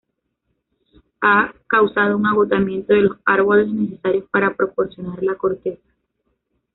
Ha causado un agotamiento de los árboles necesarios para proporcionar la corteza.